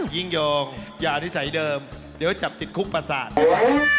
ยิ่งโยงอย่านิสัยเดิมเดี๋ยวจับติดคุกประสาทดีกว่า